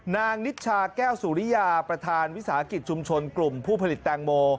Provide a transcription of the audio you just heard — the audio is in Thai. นิชชาแก้วสุริยาประธานวิสาหกิจชุมชนกลุ่มผู้ผลิตแตงโม